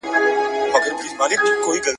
د دوی د موقتي او لړزانه امنیت سره سره .